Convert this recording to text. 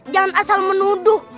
jangan asal menuduh